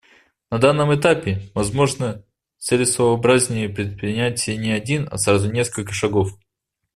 На данном этапе, возможно, целесообразнее предпринять не один, а сразу несколько шагов.